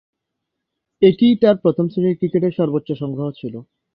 এটিই তার প্রথম-শ্রেণীর ক্রিকেটে সর্বোচ্চ সংগ্রহ ছিল।